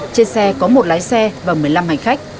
trên xe có một lái xe và một mươi năm hành khách